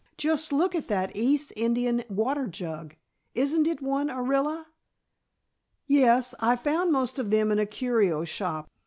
Just look at that East Indian water jug. Isn't it one, Orilla?" "Yes. I found most of them in a curio shop.